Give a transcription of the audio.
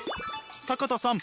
坂田さん